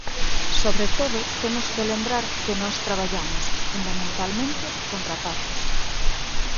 Sobre todo temos que lembrar que nós traballamos, fundamentalmente, con rapaces.